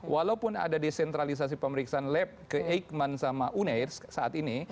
walaupun ada desentralisasi pemeriksaan lab ke eijkman sama uneir saat ini